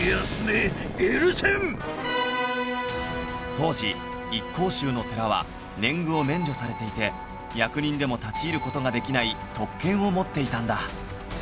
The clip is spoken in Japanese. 当時一向宗の寺は年貢を免除されていて役人でも立ち入る事ができない特権を持っていたんだ